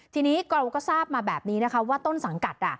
ทีนี้เราก็ทราบมาแบบนี้นะคะว่าต้นสังกัด